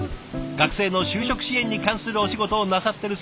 学生の就職支援に関するお仕事をなさってるそうですが。